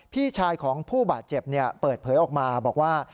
พี่ชายของผู้บาดเจ็บเปิดเผยออกมาบอกว่า